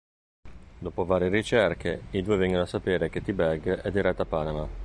Dopo varie ricerche, i due vengono a sapere che T-Bag è diretto a Panama.